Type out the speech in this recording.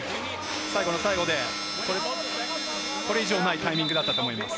最後の最後で、これ以上ないタイミングだったと思います。